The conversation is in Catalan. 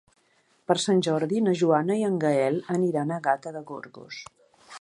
Per Sant Jordi na Joana i en Gaël aniran a Gata de Gorgos.